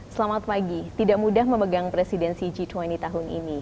selamat pagi tidak mudah memegang presidensi g dua puluh tahun ini